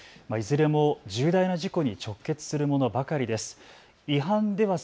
いずれも重大な事故に直結するものばかりです。